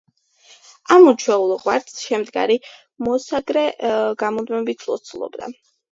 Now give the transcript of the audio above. ამ უჩვეულო ღვაწლს შემდგარი მოსაგრე გამუდმებით ლოცულობდა.